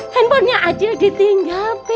handphonenya acil ditinggal be